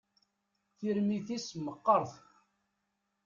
Tirmit-is meqqert.